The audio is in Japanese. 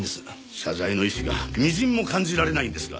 謝罪の意思が微塵も感じられないんですが。